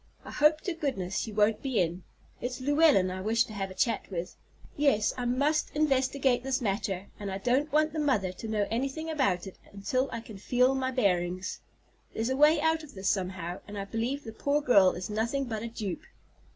"I hope to goodness she won't be in; it's Llewellyn I wish to have a chat with. Yes, I must investigate this matter, and I don't want the mother to know anything about it until I can feel my bearings. There's a way out of this somehow, and I believe the poor girl is nothing but a dupe.